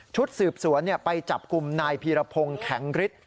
สืบสวนไปจับกลุ่มนายพีรพงศ์แข็งฤทธิ์